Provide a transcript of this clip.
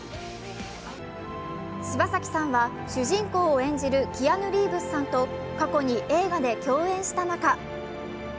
柴咲さんは、主人公を演じるキアヌ・リーブスさんと過去に映画で共演した仲。